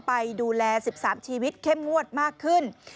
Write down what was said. ไปดูแล๑๓ชีวิตเข้มงวดมากขึ้น